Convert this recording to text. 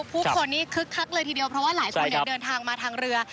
ผู้คนนี้คึกคักเลยทีเดียวเพราะว่าหลายคนเดินทางมาทางเรือ